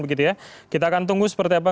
begitu ya kita akan tunggu seperti apa